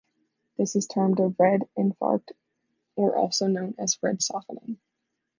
This is termed a "red infarct" or also known as red softening.